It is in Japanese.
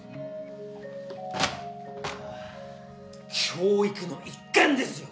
教育の一環ですよ